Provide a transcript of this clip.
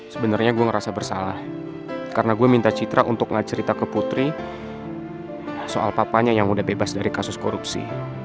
sebenarnya gue ngerasa bersalah karena gue minta citra untuk gak cerita ke putri soal papanya yang udah bebas dari kasus korupsi